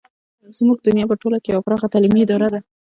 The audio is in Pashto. زموږ دنیا په ټوله کې یوه پراخه تعلیمي اداره ده.